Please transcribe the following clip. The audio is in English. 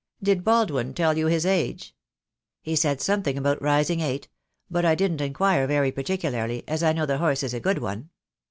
Did Baldwin tell you his age?" "He said something about rising eight — but I didn't inquire very particularly, as I know the horse is a good one."